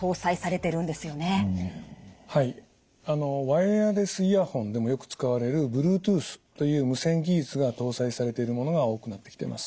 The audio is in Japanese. ワイヤレスイヤホンでもよく使われるブルートゥースという無線技術が搭載されているものが多くなってきてます。